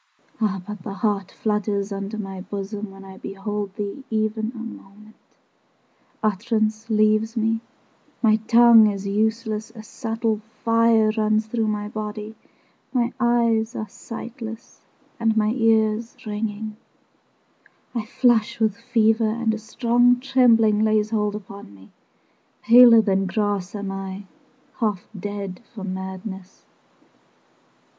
5 Ah, but the heart flutters Under my bosom, When I behold thee Even a moment; Utterance leaves me; 10 My tongue is useless; A subtle fire Runs through my body; My eyes are sightless, And my ears ringing; 15 I flush with fever, And a strong trembling Lays hold upon me; Paler than grass am I, Half dead for madness.